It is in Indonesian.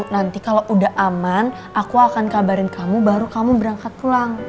nanti kalau udah aman aku akan kabarin kamu baru kamu berangkat pulang